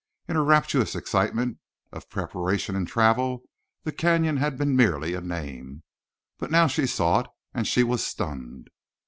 In her rapturous excitement of preparation and travel the Canyon had been merely a name. But now she saw it and she was stunned.